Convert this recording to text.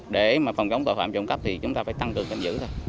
để mà phòng chống tội phạm trộm cắp thì chúng ta phải tăng cường canh giữ thôi